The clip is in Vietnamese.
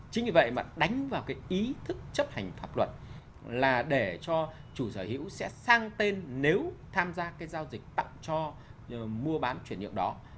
chính vì vậy mà đánh vào cái ý thức chấp hành pháp luật là để cho chủ sở hữu sẽ sang tên nếu tham gia cái giao dịch tặng cho mua bán chuyển nhượng đó